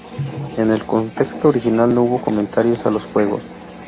En el texto original, no hubo comentarios a los juegos.